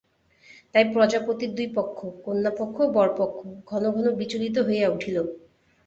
তাই প্রজাপতির দুই পক্ষ, কন্যাপক্ষ ও বরপক্ষ ঘন ঘন বিচলিত হইয়া উঠিল।